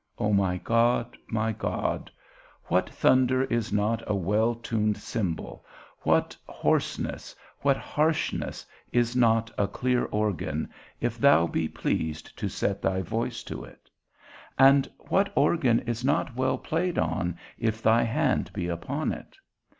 O my God, my God, what thunder is not a well tuned cymbal, what hoarseness, what harshness, is not a clear organ, if thou be pleased to set thy voice to it? And what organ is not well played on if thy hand be upon it?